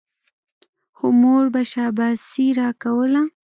خو مور به شاباسي راکوله.